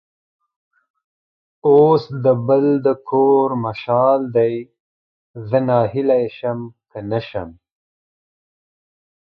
اوس د بل د کور مشال دی؛ زه ناهیلی شم که نه شم.